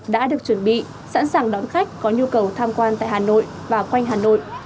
đã được chuẩn bị sẵn sàng đón khách có nhu cầu tham quan tại hà nội và quanh hà nội